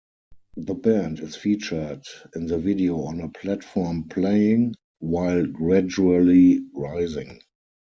The band is featured in the video on a platform playing while gradually rising.